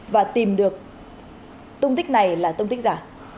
và tìm được tông tích này là tông tích giả